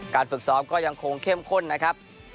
ฝึกซ้อมก็ยังคงเข้มข้นนะครับ